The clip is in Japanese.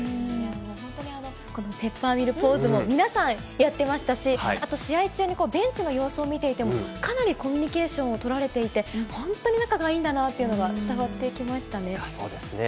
本当にこのペッパーミルポーズも皆さんやってましたし、あと試合中にベンチの様子を見ていても、かなりコミュニケーションを取られていて、本当に仲がいいんだなそうですね。